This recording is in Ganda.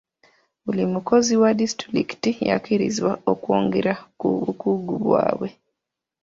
Buli mukozi wa disitulikiti yakkirizibwa okwongera ku bukugu bwabwe.